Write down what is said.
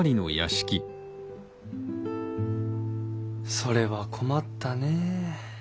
それは困ったねえ。